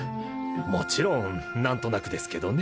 もちろん何となくですけどね。